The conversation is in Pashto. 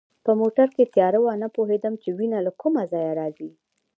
په موټر کې تیاره وه، نه پوهېدم چي وینه له کومه ځایه راځي.